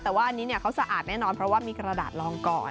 แต่ว่าอันนี้เขาสะอาดแน่นอนเพราะว่ามีกระดาษลองก่อน